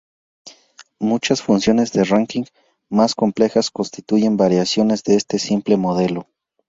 Muchas funciones de ranking más complejas constituyen variaciones de este simple modelo.